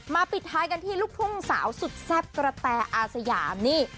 ปิดท้ายกันที่ลูกทุ่งสาวสุดแซ่บกระแตอาสยามนี่